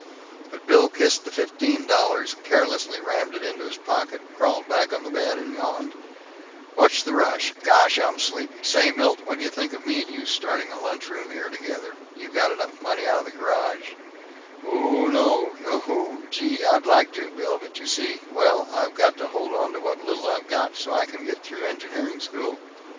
But Bill kissed the fifteen dollars, carelessly rammed it into his pocket, crawled back on the bed, yawned, "What's the rush? Gosh, I'm sleepy. Say, Milt, whadyuh think of me and you starting a lunch room here together? You got enough money out of the garage " "Oh no, noooo, gee, I'd like to, Bill, but you see, well, I've got to hold onto what little I've got so I can get through engineering school."